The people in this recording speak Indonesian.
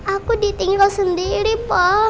aku ditinggal sendiri pak